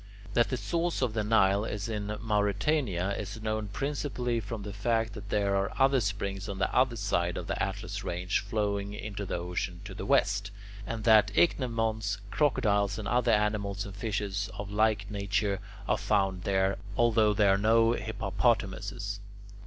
That the source of the Nile is in Mauretania is known principally from the fact that there are other springs on the other side of the Atlas range flowing into the ocean to the west, and that ichneumons, crocodiles, and other animals and fishes of like nature are found there, although there are no hippopotamuses.